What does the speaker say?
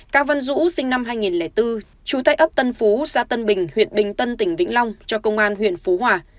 cao văn dũ sinh năm hai nghìn bốn chú tại ấp tân phú xã tân bình huyện bình tân tỉnh vĩnh long cho công an huyện phú hòa